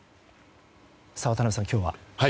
渡辺さん、今日は。